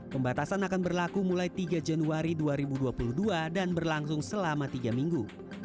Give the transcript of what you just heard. pembatasan akan berlaku mulai tiga januari dua ribu dua puluh dua dan berlangsung selama tiga minggu